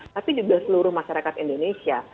tapi juga seluruh masyarakat indonesia